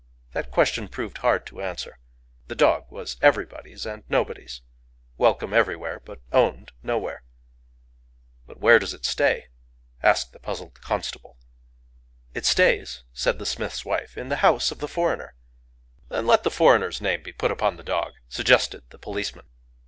That question proved hard to answer. The dog was everybody's and nobody's—welcome everywhere but owned nowhere. "But where does it stay?" asked the puzzled constable. "It stays," said the smith's wife, "in the house of the foreigner." "Then let the foreigner's name be put upon the dog," suggested the policeman.